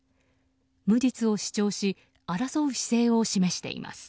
無実を主張し争う姿勢を示しています。